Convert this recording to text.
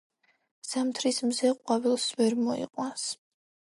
ზამთრის მზე ყვავილს ვერ მოიყვანს